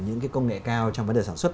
những cái công nghệ cao trong vấn đề sản xuất